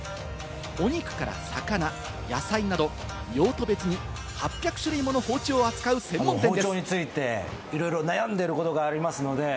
お肉から魚、野菜など用途別に８００種類もの包丁を扱う専門店です。